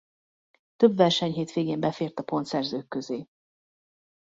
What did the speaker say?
Több versenyhétvégén befért a pontszerzők közé.